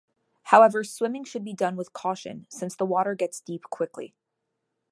However, swimming should be done with caution, since the water gets deep quickly.